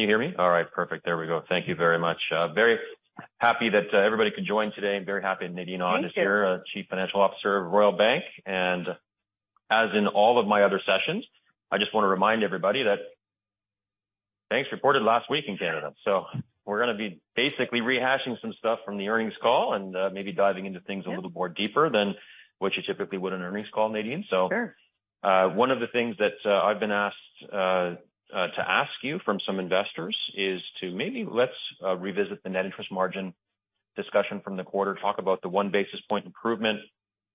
Can you hear me? All right, perfect. There we go. Thank you very much. Very happy that, everybody could join today. I'm very happy Nadine Ahn is here. Thank you. Chief Financial Officer of Royal Bank. As in all of my other sessions, I just wanna remind everybody that banks reported last week in Canada. We're gonna be basically rehashing some stuff from the earnings call and maybe diving into things... Yeah. a little more deeper than what you typically would in earnings call, Nadine. Sure. One of the things that I've been asked to ask you from some investors is to maybe let's revisit the Net Interest Margin discussion from the quarter. Talk about the one basis point improvement,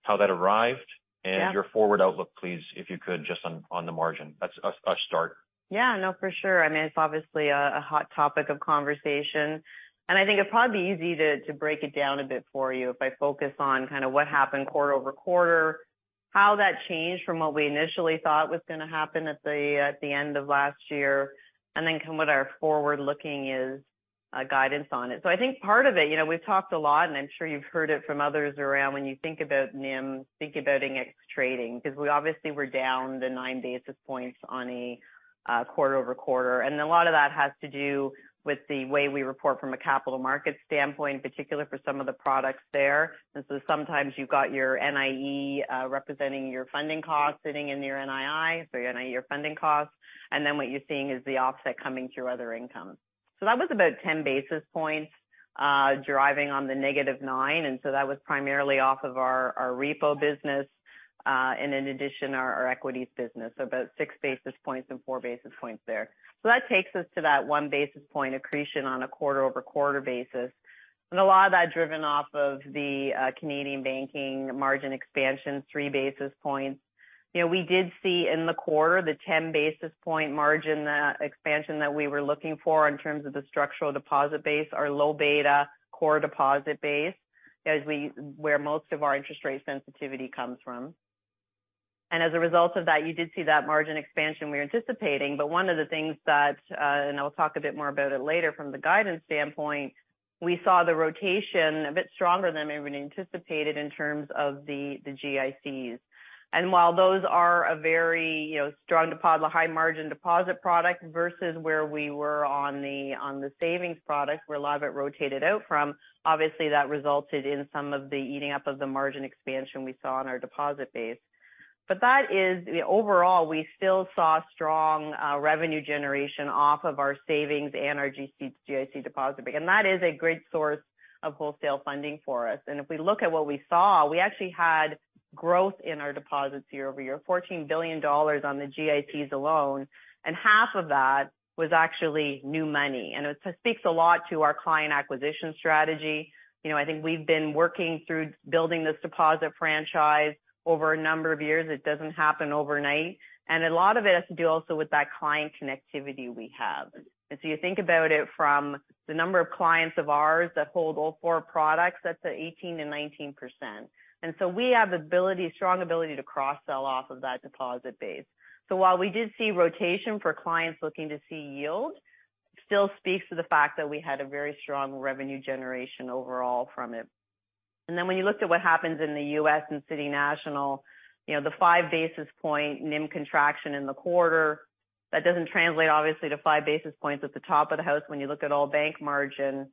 how that arrived-. Yeah. Your forward outlook, please, if you could, just on the margin. That's a start. No, for sure. I mean, it's obviously a hot topic of conversation, and I think it'd probably be easy to break it down a bit for you if I focus on kinda what happened quarter-over-quarter, how that changed from what we initially thought was gonna happen at the, at the end of last year, and then kind of what our forward-looking is, guidance on it. I think part of it, you know, we've talked a lot, and I'm sure you've heard it from others around when you think about NIM, think about NII trading 'cause we obviously were down the 9 basis points on a, quarter-over-quarter. A lot of that has to do with the way we report from a capital market standpoint, in particular for some of the products there. Sometimes you've got your NIE representing your funding cost sitting in your NII. Your funding cost, and then what you're seeing is the offset coming through other income. That was about 10 basis points driving on the -9. That was primarily off of our repo business, and in addition our equities business, about six basis points and four basis points there. That takes us to that one basis point accretion on a quarter-over-quarter basis. A lot of that driven off of the Canadian banking margin expansion, three basis points. You know, we did see in the quarter the 10 basis point margin expansion that we were looking for in terms of the structural deposit base, our low beta core deposit base where most of our interest rate sensitivity comes from. As a result of that, you did see that margin expansion we were anticipating. One of the things that, and I'll talk a bit more about it later from the guidance standpoint, we saw the rotation a bit stronger than maybe we'd anticipated in terms of the GICs. While those are a very, you know, strong high margin deposit product versus where we were on the savings product, where a lot of it rotated out from, obviously that resulted in some of the eating up of the margin expansion we saw on our deposit base. That is overall, we still saw strong revenue generation off of our savings and our GIC deposit. That is a great source of wholesale funding for us. If we look at what we saw, we actually had growth in our deposits year-over-year, 14 billion dollars on the GICs alone, and half of that was actually new money. It speaks a lot to our client acquisition strategy. You know, I think we've been working through building this deposit franchise over a number of years. It doesn't happen overnight. A lot of it has to do also with that client connectivity we have. You think about it from the number of clients of ours that hold all four products, that's at 18% and 19%. We have strong ability to cross-sell off of that deposit base. While we did see rotation for clients looking to see yield, still speaks to the fact that we had a very strong revenue generation overall from it. When you looked at what happens in the U.S. and City National, you know, the five basis point NIM contraction in the quarter, that doesn't translate obviously to five basis points at the top of the house when you look at all bank margin.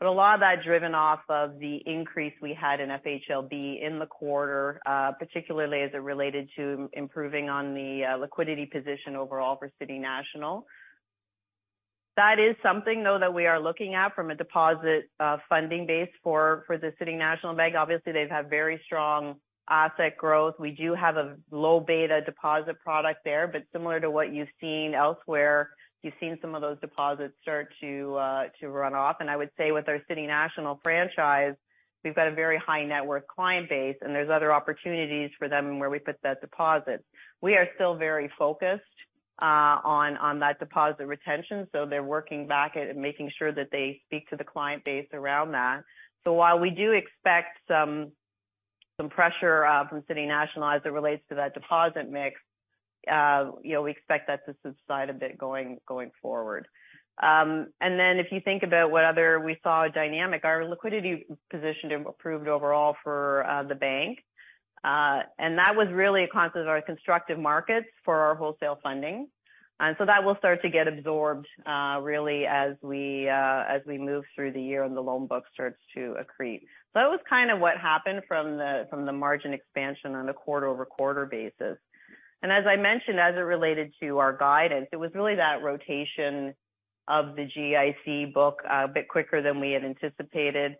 A lot of that driven off of the increase we had in FHLB in the quarter, particularly as it related to improving on the liquidity position overall for City National. That is something, though, that we are looking at from a deposit funding base for the City National Bank. Obviously, they've had very strong asset growth. We do have a low beta deposit product there, but similar to what you've seen elsewhere, you've seen some of those deposits start to run off. I would say with our City National franchise, we've got a very high net worth client base, and there's other opportunities for them where we put that deposit. We are still very focused on that deposit retention, so they're working back at making sure that they speak to the client base around that. While we do expect some pressure from City National as it relates to that deposit mix, you know, we expect that to subside a bit going forward. If you think about what other we saw dynamic, our liquidity position improved overall for the bank. That was really a consequence of our constructive markets for our wholesale funding. That will start to get absorbed really, as we move through the year and the loan book starts to accrete. That was kind of what happened from the, from the margin expansion on a quarter-over-quarter basis. As I mentioned, as it related to our guidance, it was really that rotation of the GIC book a bit quicker than we had anticipated.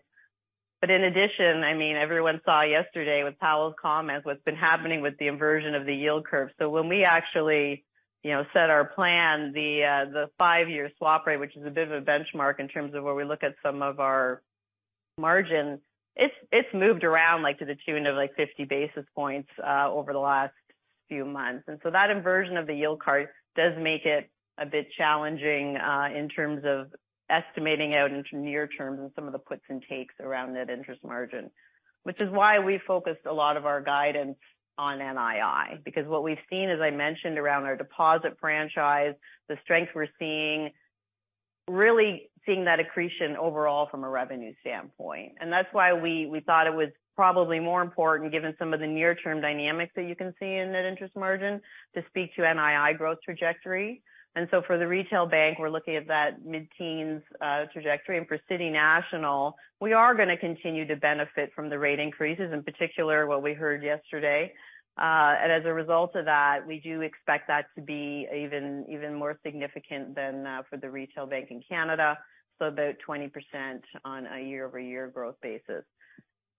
In addition, I mean, everyone saw yesterday with Powell's comments what's been happening with the inversion of the yield curve. When we actually, you know, set our plan, the five-year swap rate, which is a bit of a benchmark in terms of where we look at some of our margins, it's moved around like to the tune of like 50 basis points over the last few months. That inversion of the yield curve does make it a bit challenging in terms of estimating out into near term and some of the puts and takes around net interest margin, which is why we focused a lot of our guidance on NII. What we've seen, as I mentioned, around our deposit franchise, the strength we're seeing Really seeing that accretion overall from a revenue standpoint. That's why we thought it was probably more important given some of the near-term dynamics that you can see in net interest margin to speak to NII growth trajectory. For the retail bank, we're looking at that mid-teens trajectory. For City National, we are gonna continue to benefit from the rate increases, in particular what we heard yesterday. As a result of that, we do expect that to be even more significant than for the retail bank in Canada, so about 20% on a year-over-year growth basis.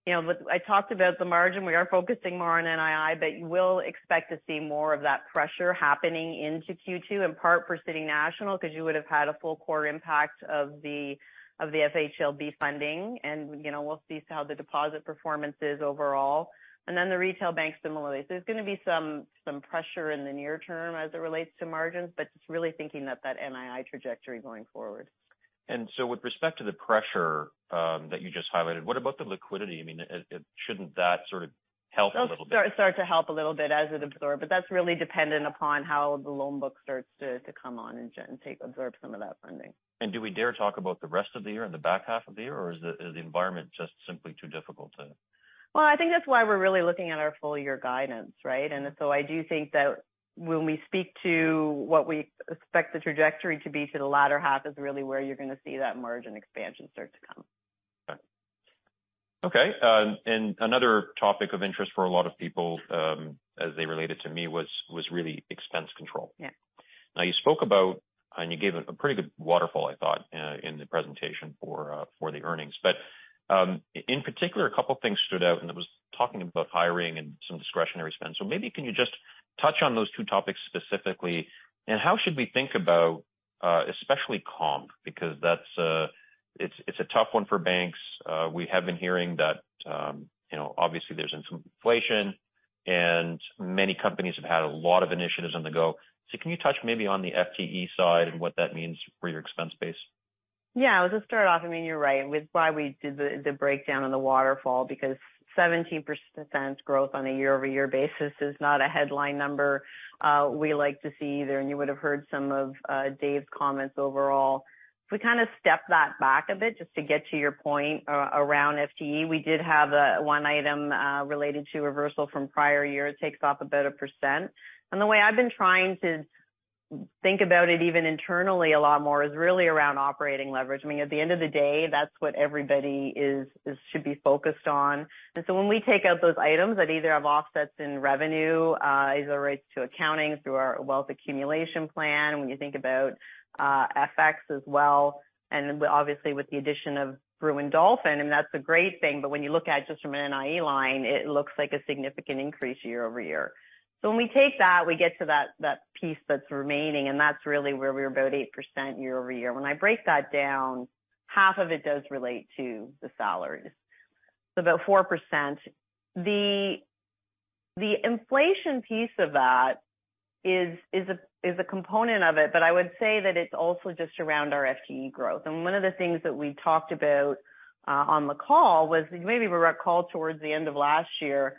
You know, I talked about the margin. We are focusing more on NII, but you will expect to see more of that pressure happening into Q2, in part for City National, 'cause you would have had a full core impact of the FHLB funding and, you know, we'll see how the deposit performance is overall. The retail bank similarly. There's gonna be some pressure in the near term as it relates to margins, but just really thinking that NII trajectory going forward. With respect to the pressure, that you just highlighted, what about the liquidity? I mean, it shouldn't that sort of help a little bit? Start to help a little bit as it absorb. That's really dependent upon how the loan book starts to come on and absorb some of that funding. Do we dare talk about the rest of the year and the back half of the year, or is the environment just simply too difficult to? Well, I think that's why we're really looking at our full-year guidance, right? I do think that when we speak to what we expect the trajectory to be to the latter half is really where you're gonna see that margin expansion start to come. Okay. another topic of interest for a lot of people, as they relate it to me was really expense control. Yeah. You spoke about, and you gave a pretty good waterfall, I thought, in the presentation for the earnings. In particular, a couple of things stood out, and it was talking about hiring and some discretionary spend. Maybe can you just touch on those two topics specifically, and how should we think about, especially comp, because that's, it's a tough one for banks. We have been hearing that, you know, obviously there's some inflation, and many companies have had a lot of initiatives on the go. Can you touch maybe on the FTE side and what that means for your expense base? Yeah. I'll just start off. I mean, you're right. With why we did the breakdown on the waterfall because 17% growth on a year-over-year basis is not a headline number, we like to see either, and you would have heard some of Dave's comments overall. If we kinda step that back a bit, just to get to your point around FTE, we did have one item related to reversal from prior year. It takes off about 1%. The way I've been trying to think about it even internally a lot more is really around operating leverage. I mean, at the end of the day, that's what everybody should be focused on. When we take out those items that either have offsets in revenue, either relates to accounting through our wealth accumulation plan, when you think about FX as well, and obviously with the addition of Brewin Dolphin, and that's a great thing. When you look at just from an NIE line, it looks like a significant increase year-over-year. When we take that, we get to that piece that's remaining, and that's really where we're about 8% year-over-year. When I break that down, half of it does relate to the salaries. About 4%. The inflation piece of that is a component of it, but I would say that it's also just around our FTE growth. One of the things that we talked about on the call was maybe you will recall towards the end of last year,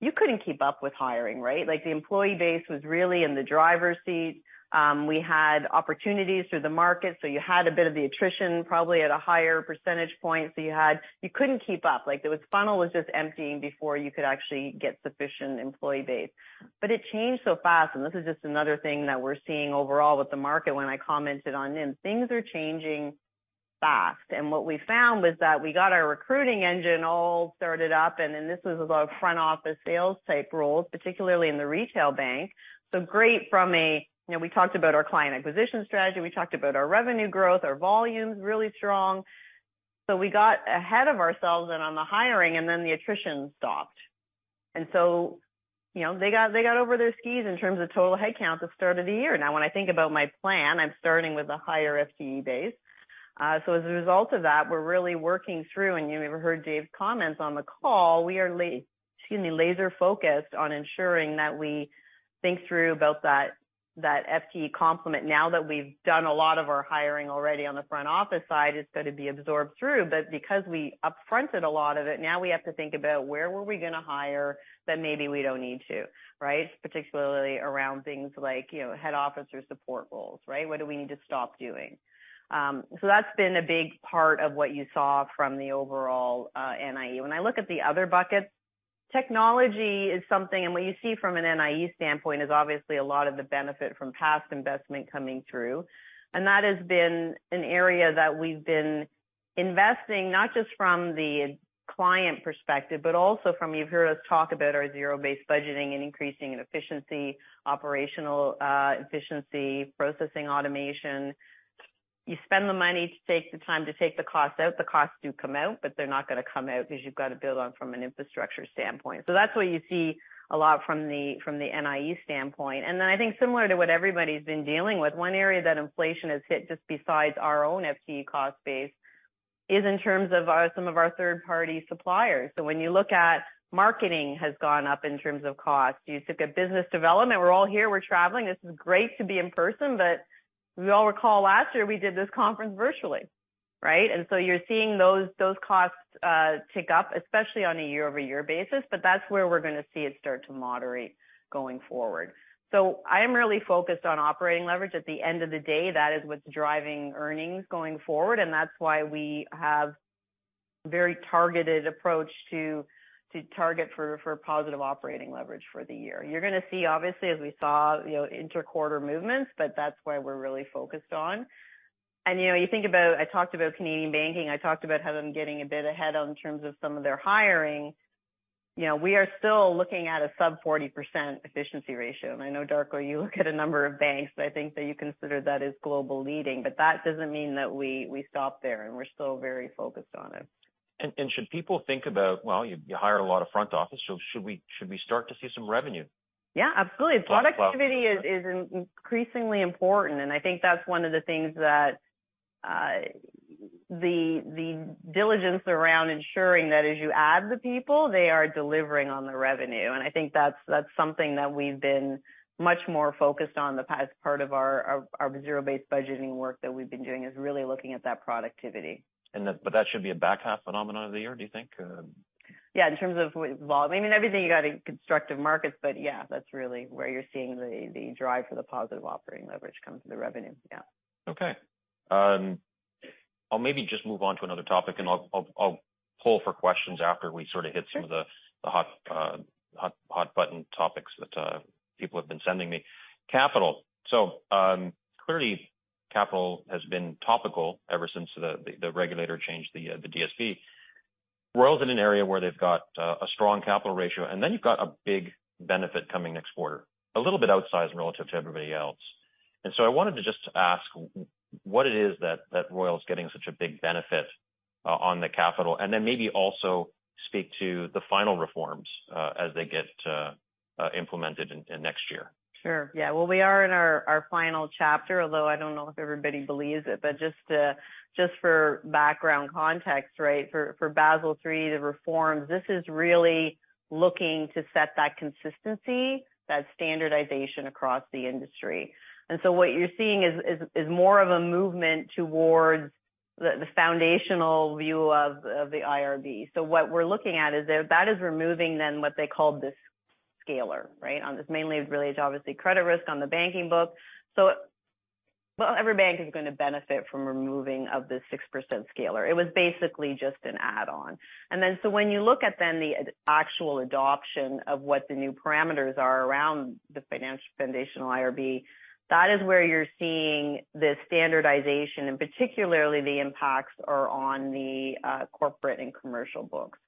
you couldn't keep up with hiring, right? Like, the employee base was really in the driver's seat. We had opportunities through the market, you had a bit of the attrition probably at a higher percentage point. You couldn't keep up. Like, the funnel was just emptying before you could actually get sufficient employee base. It changed so fast, and this is just another thing that we're seeing overall with the market when I commented on NIM. Things are changing fast. What we found was that we got our recruiting engine all started up, and then this was about front office sales type roles, particularly in the retail bank. Great from a... You know, we talked about our client acquisition strategy, we talked about our revenue growth, our volume's really strong. We got ahead of ourselves and on the hiring, and then the attrition stopped. You know, they got over their skis in terms of total headcounts at start of the year. Now, when I think about my plan, I'm starting with a higher FTE base. As a result of that, we're really working through, and you may have heard Dave's comments on the call. We are excuse me, laser-focused on ensuring that we think through about that FTE complement. Now that we've done a lot of our hiring already on the front office side, it's gonna be absorbed through. Because we up-fronted a lot of it, now we have to think about where were we gonna hire that maybe we don't need to, right? Particularly around things like, you know, head office or support roles, right? What do we need to stop doing? So that's been a big part of what you saw from the overall NIE. What you see from an NIE standpoint is obviously a lot of the benefit from past investment coming through. That has been an area that we've been investing not just from the client perspective, but also You've heard us talk about our zero-based budgeting and increasing in efficiency, operational efficiency, processing automation. You spend the money to take the time to take the cost out. The costs do come out, but they're not gonna come out because you've got to build on from an infrastructure standpoint. That's what you see a lot from the, from the NIE standpoint. I think similar to what everybody's been dealing with, one area that inflation has hit just besides our own FTE cost base is in terms of some of our third-party suppliers. When you look at marketing has gone up in terms of cost. You look at business development. We're all here, we're traveling. This is great to be in person, but we all recall last year we did this conference virtually. Right? You're seeing those costs tick up, especially on a year-over-year basis, but that's where we're gonna see it start to moderate going forward. I am really focused on operating leverage. At the end of the day, that is what's driving earnings going forward, and that's why we have very targeted approach to target for positive operating leverage for the year. You're gonna see obviously as we saw, you know, inter-quarter movements, but that's where we're really focused on. You know, you think about, I talked about Canadian banking, I talked about how I'm getting a bit ahead on terms of some of their hiring. You know, we are still looking at a sub 40% efficiency ratio. I know, Darko, you look at a number of banks, but I think that you consider that as global leading. That doesn't mean that we stop there, and we're still very focused on it. Should people think about, well, you hire a lot of front office, so should we start to see some revenue? Yeah, absolutely. Productivity is increasingly important. I think that's one of the things that the diligence around ensuring that as you add the people, they are delivering on the revenue. I think that's something that we've been much more focused on the past part of our zero-based budgeting work that we've been doing, is really looking at that productivity. That should be a back half phenomenon of the year, do you think? Yeah, in terms of volume. I mean, everything you got in constructive markets, but yeah, that's really where you're seeing the drive for the positive operating leverage come to the revenue. Yeah. I'll maybe just move on to another topic, and I'll, I'll pull for questions after we sort of hit some- Sure. -of the hot button topics that people have been sending me. Capital. Clearly, capital has been topical ever since the regulator changed the DSB. Royal's in an area where they've got a strong capital ratio, and then you've got a big benefit coming next quarter, a little bit outsized relative to everybody else. I wanted to just ask what it is that Royal is getting such a big benefit on the capital, and then maybe also speak to the final reforms as they get implemented in next year. Sure. Yeah. Well, we are in our final chapter, although I don't know if everybody believes it. Just for background context, right? For Basel III, the reforms, this is really looking to set that consistency, that standardization across the industry. What you're seeing is more of a movement towards the foundational view of the IRB. What we're looking at is that is removing then what they called the scaler, right? On this mainly relates obviously credit risk on the banking book. Well, every bank is gonna benefit from removing of the 6% scaler. It was basically just an add-on. When you look at then the actual adoption of what the new parameters are around the foundation IRB, that is where you're seeing the standardization, and particularly the impacts are on the corporate and commercial books.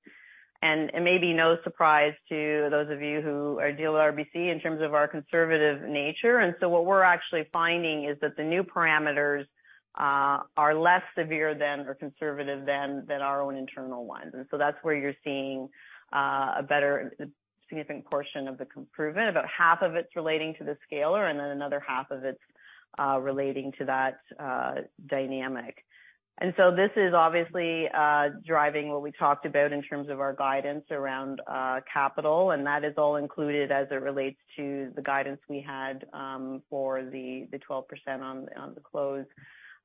It may be no surprise to those of you who deal with RBC in terms of our conservative nature. What we're actually finding is that the new parameters are less severe than or conservative than our own internal ones. That's where you're seeing a better significant portion of the improvement, about half of it's relating to the scaler, and then another half of it's relating to that dynamic. This is obviously driving what we talked about in terms of our guidance around capital, and that is all included as it relates to the guidance we had for the 12% on the close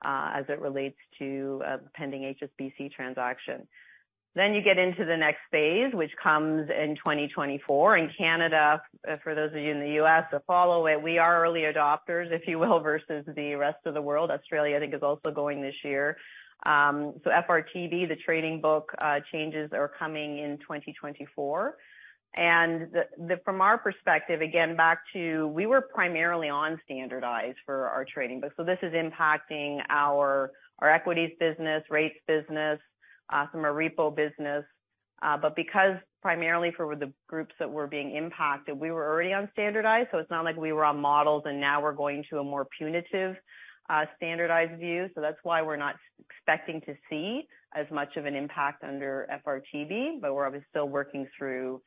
as it relates to pending HSBC transaction. You get into the next phase, which comes in 2024. In Canada, for those of you in the U.S. that follow it, we are early adopters, if you will, versus the rest of the world. Australia, I think, is also going this year. FRTB, the trading book, changes are coming in 2024. From our perspective, again, back to we were primarily on standardized for our trading book. This is impacting our equities business, rates business, some are repo business. Because primarily for the groups that were being impacted, we were already on standardized, so it's not like we were on models and now we're going to a more punitive, standardized view. That's why we're not expecting to see as much of an impact under FRTB, but we're obviously still working through,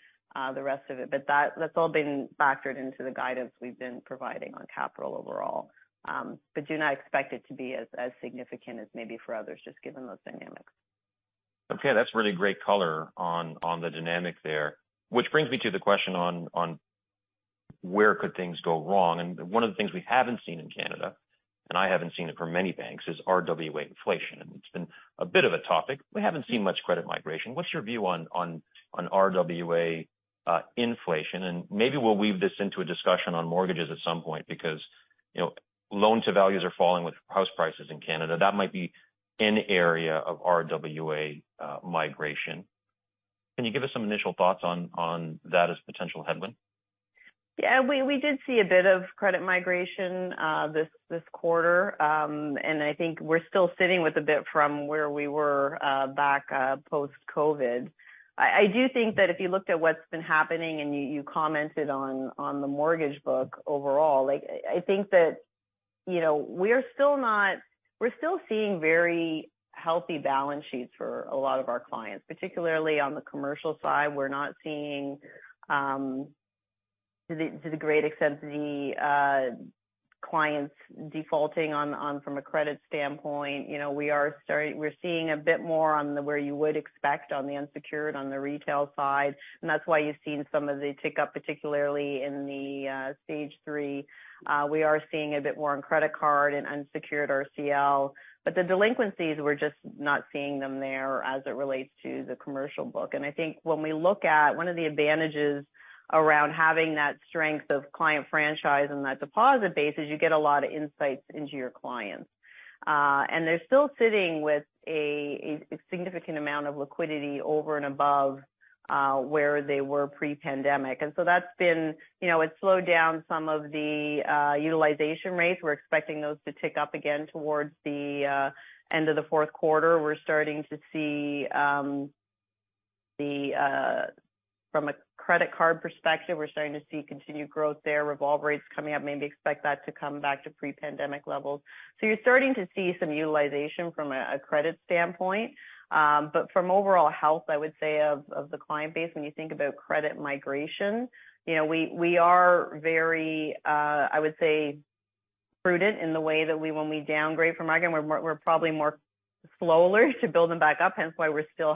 the rest of it. That's all been factored into the guidance we've been providing on capital overall. Do not expect it to be as significant as maybe for others, just given those dynamics. Okay. That's really great color on the dynamic there. Which brings me to the question on where could things go wrong. One of the things we haven't seen in Canada, and I haven't seen it for many banks, is RWA inflation. It's been a bit of a topic. We haven't seen much credit migration. What's your view on, on RWA inflation? Maybe we'll weave this into a discussion on mortgages at some point because, you know, loan to values are falling with house prices in Canada. That might be an area of RWA migration. Can you give us some initial thoughts on that as potential headwind? We did see a bit of credit migration this quarter. I think we're still sitting with a bit from where we were back post-COVID. I do think that if you looked at what's been happening and you commented on the mortgage book overall, like I think that, you know, we're still seeing very healthy balance sheets for a lot of our clients, particularly on the commercial side. We're not seeing to the great extent the clients defaulting from a credit standpoint, you know, we're seeing a bit more on the where you would expect on the unsecured, on the retail side. That's why you've seen some of the tick up, particularly in the Stage three. We are seeing a bit more on credit card and unsecured RCL. The delinquencies, we're just not seeing them there as it relates to the commercial book. I think when we look at one of the advantages around having that strength of client franchise and that deposit base is you get a lot of insights into your clients. They're still sitting with a significant amount of liquidity over and above where they were pre-pandemic. That's been, you know, it slowed down some of the utilization rates. We're expecting those to tick up again towards the end of the fourth quarter. We're starting to see from a credit card perspective, we're starting to see continued growth there, revolve rates coming up, maybe expect that to come back to pre-pandemic levels. You're starting to see some utilization from a credit standpoint. But from overall health, I would say of the client base, when you think about credit migration, you know, we are very, I would say, prudent in the way that when we downgrade from our end, we're probably more slower to build them back up, hence why we still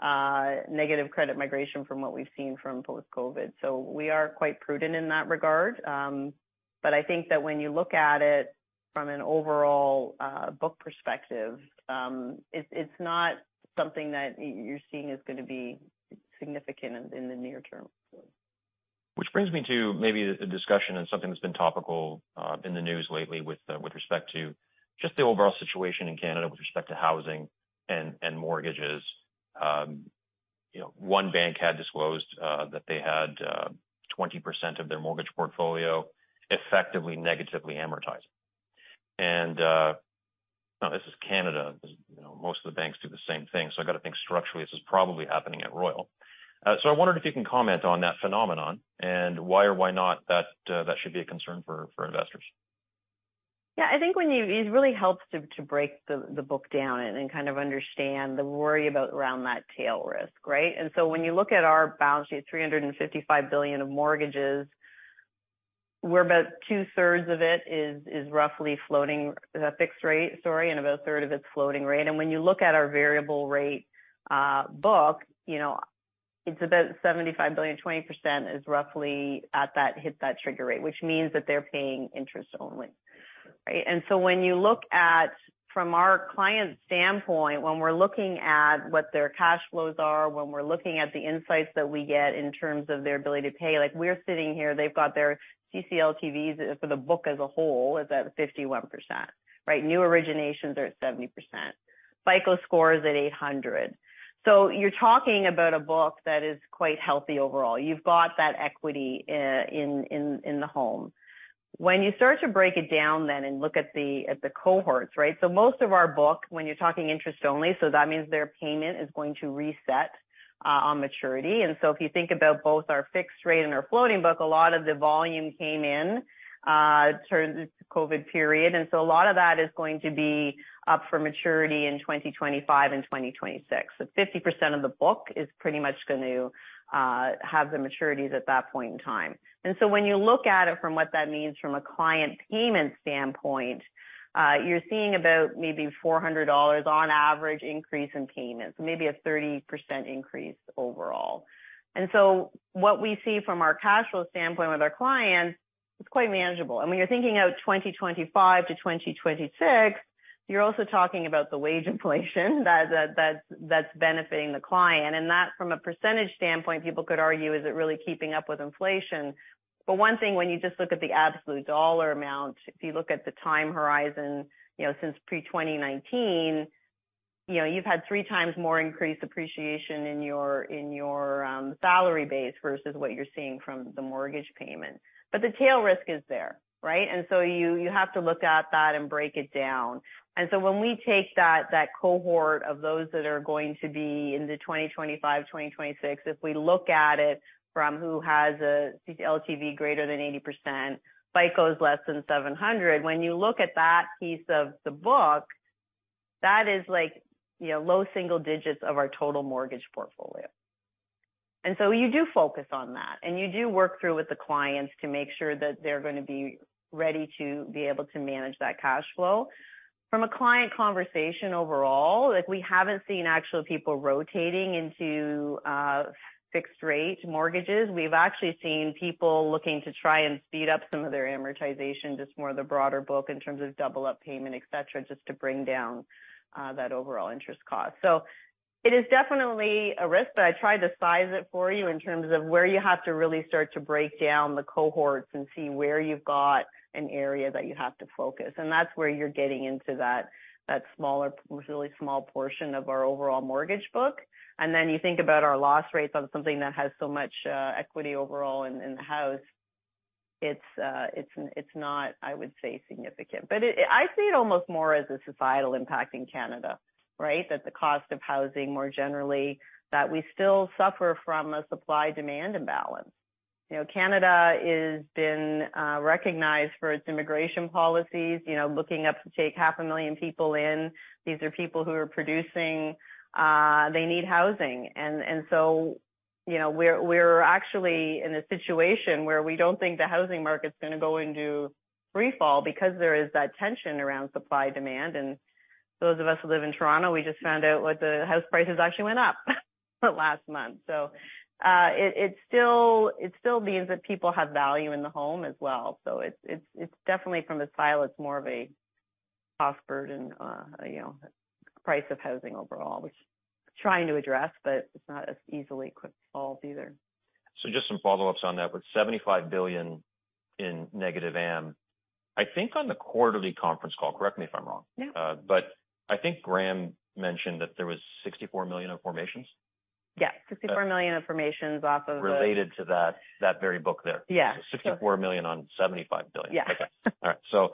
have negative credit migration from what we've seen from post-COVID. We are quite prudent in that regard. But I think that when you look at it from an overall book perspective, it's not something that you're seeing is gonna be significant in the near term. Which brings me to maybe a discussion on something that's been topical, in the news lately with respect to just the overall situation in Canada with respect to housing and mortgages. You know, one bank had disclosed, that they had, 20% of their mortgage portfolio effectively negatively amortized. Now this is Canada, you know, most of the banks do the same thing, so I got to think structurally, this is probably happening at Royal. I wondered if you can comment on that phenomenon and why or why not that should be a concern for investors? I think when it really helps to break the book down and kind of understand the worry about around that tail risk, right? When you look at our balance sheet, 355 billion of mortgages, we're about two-thirds of it is roughly a fixed rate, sorry, about a third of it's floating rate. When you look at our variable rate book, you know, it's about 75 billion, 20% is roughly hit that trigger rate, which means that they're paying interest only. Right? When you look at from our client standpoint, when we're looking at what their cash flows are, when we're looking at the insights that we get in terms of their ability to pay, like we're sitting here, they've got their CCLTVs for the book as a whole is at 51%, right? New originations are at 70%. FICO score is at 800. You're talking about a book that is quite healthy overall. You've got that equity in the home. When you start to break it down then and look at the, at the cohorts, right? Most of our book, when you're talking interest only, so that means their payment is going to reset on maturity. If you think about both our fixed rate and our floating book, a lot of the volume came in during the COVID period. A lot of that is going to be up for maturity in 2025 and 2026. Fifty percent of the book is pretty much gonna have the maturities at that point in time. When you look at it from what that means from a client payment standpoint, you're seeing about maybe 400 dollars on average increase in payments, maybe a 30% increase overall. What we see from our cash flow standpoint with our clients, it's quite manageable. When you're thinking of 2025 to 2026, you're also talking about the wage inflation that's benefiting the client. That from a percentage standpoint, people could argue, is it really keeping up with inflation? One thing when you just look at the absolute dollar amount, if you look at the time horizon, you know, since pre-2019, you know, you've had three times more increased appreciation in your salary base versus what you're seeing from the mortgage payment. The tail risk is there, right? You have to look at that and break it down. When we take that cohort of those that are going to be into 2025, 2026, if we look at it from who has a CCLTV greater than 80%, FICO is less than 700, when you look at that piece of the book, that is like, you know, low single digits of our total mortgage portfolio. You do focus on that, and you do work through with the clients to make sure that they're gonna be ready to be able to manage that cash flow. From a client conversation overall, like we haven't seen actual people rotating into fixed rate mortgages. We've actually seen people looking to try and speed up some of their amortization, just more of the broader book in terms of double up payment, et cetera, just to bring down that overall interest cost. It is definitely a risk, but I tried to size it for you in terms of where you have to really start to break down the cohorts and see where you've got an area that you have to focus. That's where you're getting into that really small portion of our overall mortgage book. Then you think about our loss rates on something that has so much equity overall in the house. It's, it's not, I would say, significant. I see it almost more as a societal impact in Canada, right? That the cost of housing more generally, that we still suffer from a supply-demand imbalance. You know, Canada is been recognized for its immigration policies, you know, looking up to take half a million people in. These are people who are producing, they need housing. You know, we're actually in a situation where we don't think the housing market's gonna go into free fall because there is that tension around supply-demand. Those of us who live in Toronto, we just found out what the house prices actually went up last month. It still means that people have value in the home as well. It's definitely from a style, it's more of a cost burden, you know, price of housing overall, which trying to address, but it's not as easily quick solve either. Just some follow-ups on that. With 75 billion in negative AM, I think on the quarterly conference call, correct me if I'm wrong? Yeah. I think Graham mentioned that there was 64 million in formations. Yes. 64 million in formations. Related to that very book there. Yeah. 64 million on 75 billion. Yes. Okay. All right.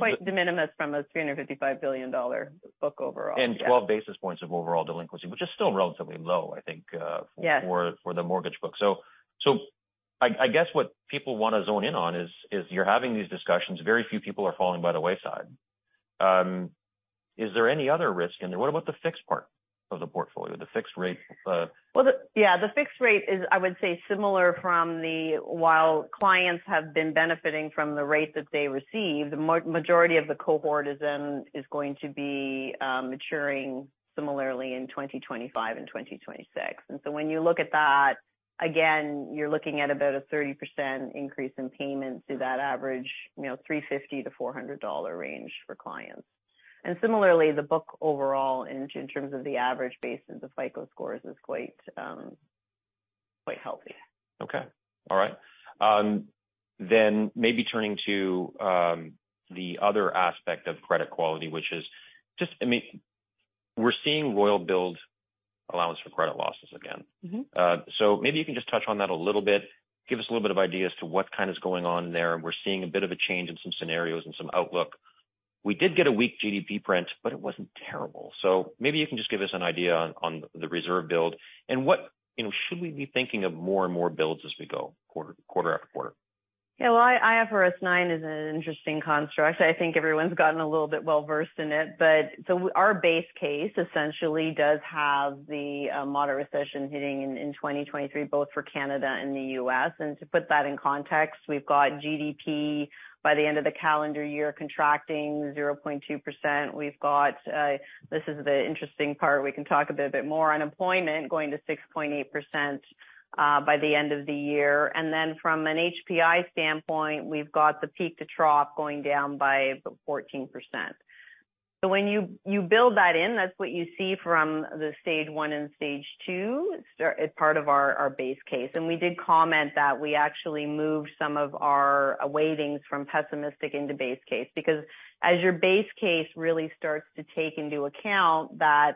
Quite de minimis from a 355 billion dollar book overall. Yeah. 12 basis points of overall delinquency, which is still relatively low, I think. Yeah... for the mortgage book. I guess what people wanna zone in on is you're having these discussions, very few people are falling by the wayside. Is there any other risk in there? What about the fixed part of the portfolio, the fixed rate? Well, yeah, the fixed rate is, I would say, similar while clients have been benefiting from the rate that they receive, the majority of the cohort is going to be maturing similarly in 2025 and 2026. When you look at that, again, you're looking at about a 30% increase in payment to that average, you know, 350-400 dollar range for clients. Similarly, the book overall in terms of the average base of the FICO scores is quite healthy. Okay. All right. Maybe turning to the other aspect of credit quality, which is just, we're seeing Royal build allowance for credit losses again. Mm-hmm. Maybe you can just touch on that a little bit. Give us a little bit of idea as to what kind is going on there. We're seeing a bit of a change in some scenarios and some outlook. We did get a weak GDP print, but it wasn't terrible. Maybe you can just give us an idea on the reserve build and what you know, should we be thinking of more and more builds as we go quarter after quarter? Yeah. Well, IFRS 9 is an interesting construct. I think everyone's gotten a little bit well-versed in it. Our base case essentially does have the moderate recession hitting in 2023, both for Canada and the U.S. To put that in context, we've got GDP by the end of the calendar year contracting 0.2%. We've got, this is the interesting part, we can talk a bit more, unemployment going to 6.8% by the end of the year. From an HPI standpoint, we've got the peak to trough going down by 14%. When you build that in, that's what you see from the Stage one and Stage two part of our base case. We did comment that we actually moved some of our weightings from pessimistic into base case. Because as your base case really starts to take into account that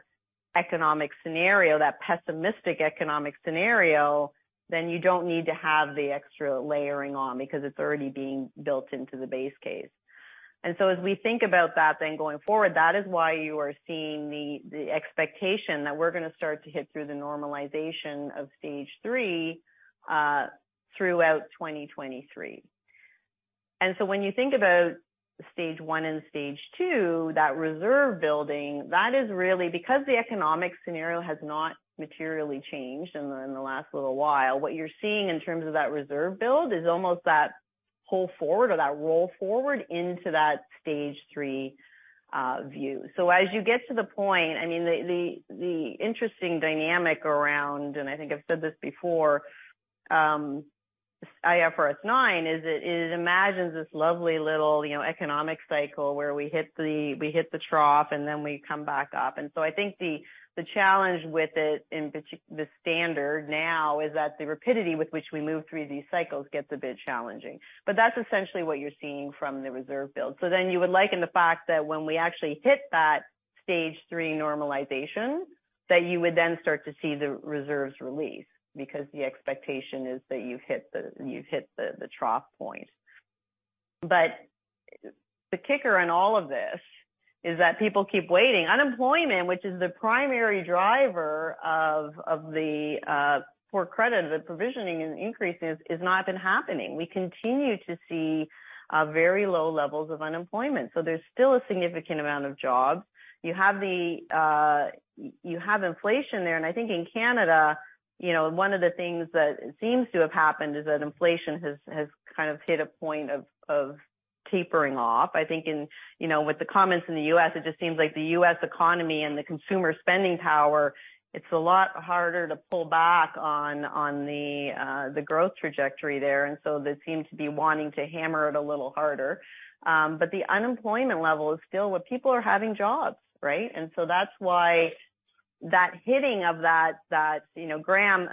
economic scenario, that pessimistic economic scenario, then you don't need to have the extra layering on because it's already being built into the base case. As we think about that, then going forward, that is why you are seeing the expectation that we're gonna start to hit through the normalization of Stage three throughout 2023. When you think about Stage one and Stage two, that reserve building, that is really because the economic scenario has not materially changed in the last little while, what you're seeing in terms of that reserve build is almost that pull forward or that roll forward into that Stage three view. As you get to the point-- I mean, the interesting dynamic around, and I think I've said this before, IFRS 9 is it imagines this lovely little, you know, economic cycle where we hit the trough, and then we come back up. I think the challenge with it in partic-- the standard now is that the rapidity with which we move through these cycles gets a bit challenging. That's essentially what you're seeing from the reserve build. You would liken the fact that when we actually hit that Stage three normalization, that you would then start to see the reserves release because the expectation is that you've hit the, you've hit the trough point. The kicker in all of this is that people keep waiting. Unemployment, which is the primary driver of the poor credit, the provisioning and increases, has not been happening. We continue to see very low levels of unemployment, there's still a significant amount of jobs. You have the, you have inflation there, I think in Canada, you know, one of the things that seems to have happened is that inflation has kind of hit a point of tapering off. I think in, you know, with the comments in the U.S., it just seems like the U.S. economy and the consumer spending power, it's a lot harder to pull back on the growth trajectory there. They seem to be wanting to hammer it a little harder. The unemployment level is still what people are having jobs, right? That's why that hitting of that, you know, Graham,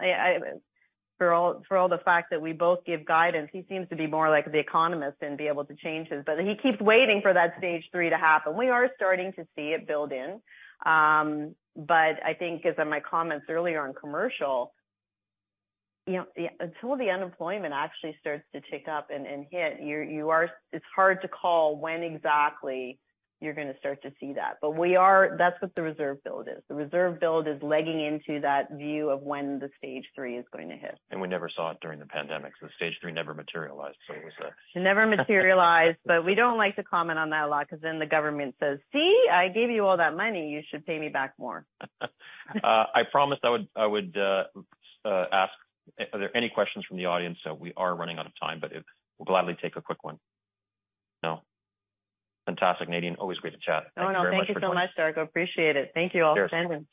for all the fact that we both give guidance, he seems to be more like the economist and be able to change this. He keeps waiting for that Stage three to happen. We are starting to see it build in. I think as in my comments earlier on commercial, you know, until the unemployment actually starts to tick up and hit, it's hard to call when exactly you're gonna start to see that. That's what the reserve build is. The reserve build is legging into that view of when the Stage three is going to hit. We never saw it during the pandemic. Stage three never materialized, so it was. Never materialized, but we don't like to comment on that a lot because then the government says, "See? I gave you all that money. You should pay me back more. I promised I would ask are there any questions from the audience? We are running out of time, but we'll gladly take a quick one. No? Fantastic, Nadine. Always great to chat. Thank you very much for joining. Oh, no, thank you so much, Darko. I appreciate it. Thank you all for attending.